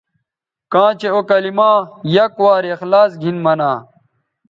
کاں چہء او کلما یک وارے اخلاص گھن منا